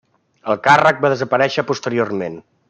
El càrrec va desaparèixer posteriorment.